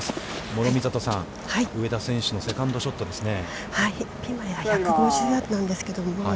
諸見里さん、上田選手のセカンドショットですね。